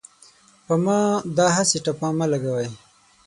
په ما داهسې ټاپه مه لګوۍ